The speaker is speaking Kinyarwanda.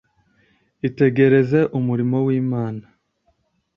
Itegereze umurimo w’Imana.